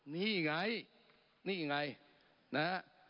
นี่ไงนี่ไงนะฮะ